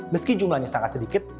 meski jumlahnya sangat sedikit